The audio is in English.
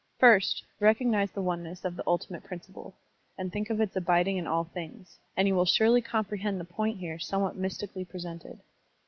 First, recog nize the oneness of the ultimate principle, and think of its abiding in all things; and you will surely comprehend the point here somewhat mystically presented.